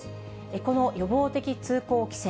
この予防的通行規制。